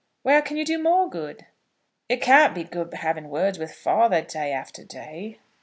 Where can you do more good?" "It can't be good to be having words with father day after day."